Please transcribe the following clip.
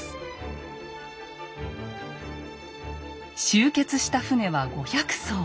集結した船は５００艘。